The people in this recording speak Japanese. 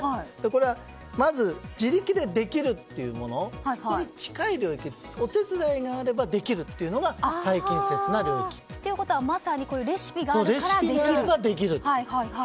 これはまず自力でできるというもの近い領域、お手伝いがあればできるというのが最近接な領域。ということは、まさにレシピがあるからできると。